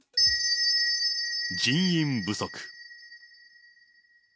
人員不足。